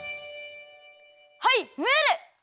はいムール！